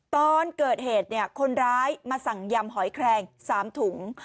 ตอนเกิดเหตุคนร้ายมาสั่งยำหอยแคลง๓ถุง